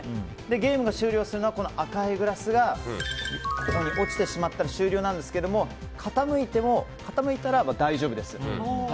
ゲームが終了するのは赤いグラスが落ちてしまったら終了なんですが傾いたら大丈夫です。